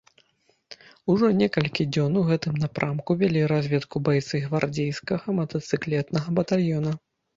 Ужо некалькі дзён у гэтым напрамку вялі разведку байцы гвардзейскага матацыклетнага батальёна.